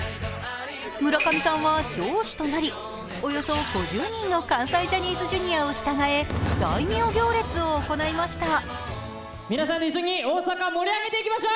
村上さんは城主となり、およそ５０人の関西ジャニーズＪｒ．を従え、大名行列を行いました。